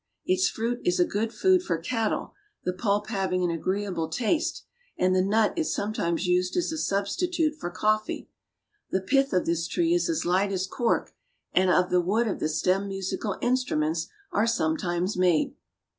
Its fruit is a good food for cattle, the pulp hav ing an agreeable taste, and the nut is sometimes used as a substitute for coffee. The pith of this tree is as light as cork, and of the wood of the stem musical instruments are sometimes made.